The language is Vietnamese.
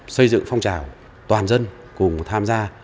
xây dựng phong trào toàn dân cùng tham gia